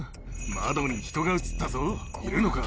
窓に人が映ったぞいるのか？